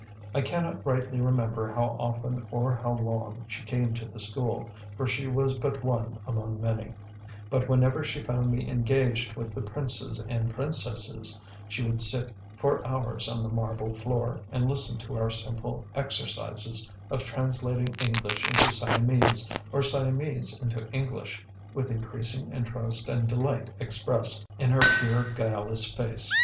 I cannot rightly remember how often or how long she came to the school, for she was but one among many; but, whenever she found me engaged with the princes and princesses, she would sit for hours on the marble floor, and listen to our simple exercises of translating English into Siamese or Siamese into English, with increasing interest and delight expressed in her pure, guileless face.